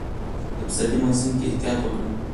د پسرلي موسم کې احتیاط وکړئ.